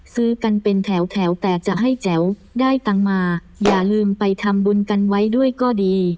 ซื้อกันเป็นแถวแต่จะให้แจ๋วได้ตังค์มาอย่าลืมไปทำบุญกันไว้ด้วยก็ดี